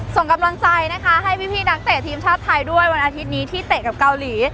ส่งกำลังใจนะคะให้พี่นักเตะทีมชาติไทยด้วยวันอาทิตย์นี้ที่เตะกับเกาหลี